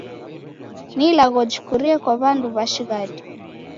Ni ilagho jikurie kwa w'andu w'a cha shighadi.